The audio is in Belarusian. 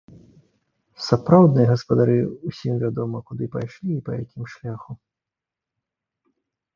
Сапраўдныя гаспадары, усім вядома, куды пайшлі і па якім шляху.